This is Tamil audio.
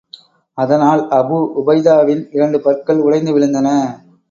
அதனால் அபூ உபைதாவின் இரண்டு பற்கள் உடைந்து விழுந்தன.